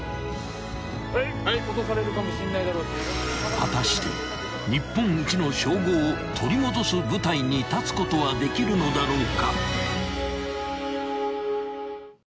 ［果たして日本一の称号を取り戻す舞台に立つことはできるのだろうか］